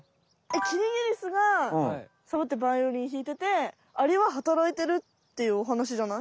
キリギリスがサボってバイオリンひいててアリは働いてるっていうおはなしじゃない？